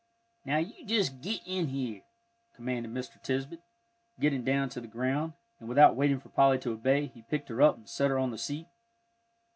"Now you just git in here," commanded Mr. Tisbett, getting down to the ground; and without waiting for Polly to obey, he picked her up and set her on the seat.